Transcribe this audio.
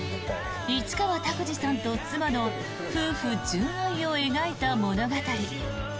市川拓司さんと妻の夫婦純愛を描いた物語。